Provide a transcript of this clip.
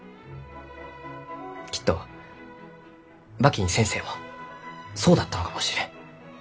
きっと馬琴先生もそうだったのかもしれん。